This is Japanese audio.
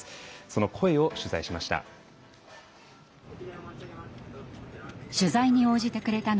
その声を取材しました。